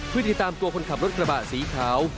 เพื่อติดตามตัวคนขับรถกระบะสีขาว